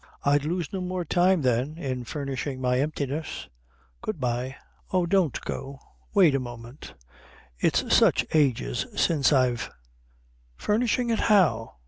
I'd lose no more time then in furnishing my emptiness. Good bye." "Oh, don't go wait a moment. It's such ages since I've Furnishing it how?